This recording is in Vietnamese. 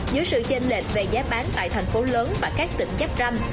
giữa sự chênh lệch về giá bán tại thành phố lớn và các tỉnh chấp răng